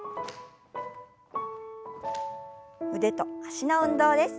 腕と脚の運動です。